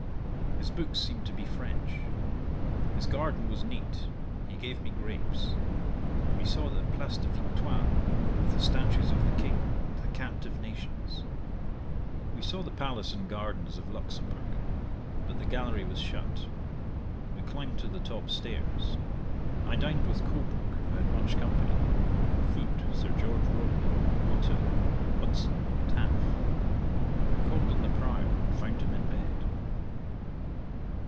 His books seemed to be French. His garden was neat; he gave me grapes. We saw the Place de Victoire, with the statues of the King, and the captive nations. We saw the palace and gardens of Luxembourg, but the gallery was shut. We climbed to the top stairs. I dined with Colbrooke, who had much company: Foote, Sir George Rodney, Motteux, Udson, Taaf. Called on the Prior, and found him in bed.